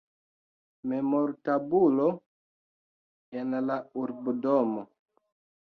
Memortabulo en la urbodomo.